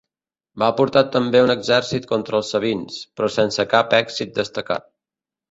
Va portar també un exèrcit contra els sabins, però sense cap èxit destacat.